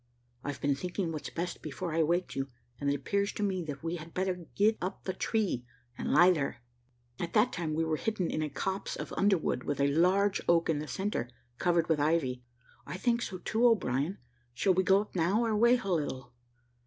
I've been thinking what's best before I waked you; and it appears to me, that we had better get up the tree, and lie there." At that time we were hidden in a copse of underwood, with a large oak in the centre, covered with ivy, "I think so, too, O'Brien; shall we go up now, or wait a little?"